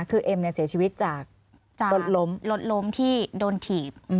คือเอ็มเนี่ยเสียชีวิตจากรถล้มจากรถล้มที่โดนถีบ